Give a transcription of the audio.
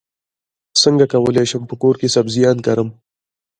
څنګه کولی شم په کور کې سبزیان کرم